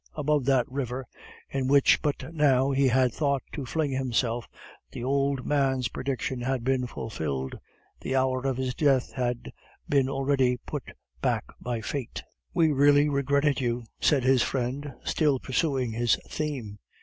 Above that river, in which but now he had thought to fling himself, the old man's prediction had been fulfilled, the hour of his death had been already put back by fate. "We really regretted you," said his friend, still pursuing his theme.